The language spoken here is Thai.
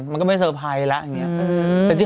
มันก็ไม่เซอร์ไพรส์แล้วอย่างนี้